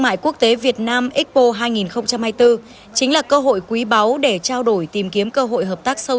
mại quốc tế việt nam expo hai nghìn hai mươi bốn chính là cơ hội quý báu để trao đổi tìm kiếm cơ hội hợp tác sâu